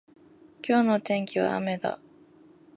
今日の天気は雨だ。